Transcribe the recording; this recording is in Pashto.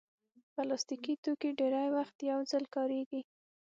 پلاستيکي توکي ډېری وخت یو ځل کارېږي.